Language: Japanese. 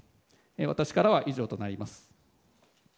私からは以上となります。